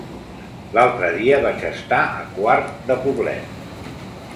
L'altre dia vaig estar a Quart de Poblet.